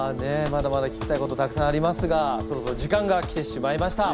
まだまだ聞きたいことたくさんありますがそろそろ時間が来てしまいました。